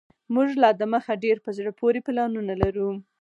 موږ لا دمخه ډیر په زړه پوري پلانونه لرو